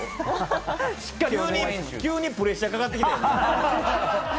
急にプレッシャー、かかってきた。